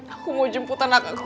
aku mau jemput anak aku